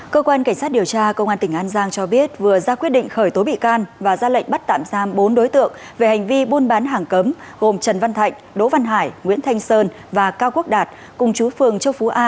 cơ quan cảnh sát điều tra công an tỉnh an giang cho biết vừa ra quyết định khởi tố bị can và ra lệnh bắt tạm giam bốn đối tượng về hành vi buôn bán hàng cấm gồm trần văn thạnh đỗ văn hải nguyễn thanh sơn và cao quốc đạt cùng chú phường châu phú a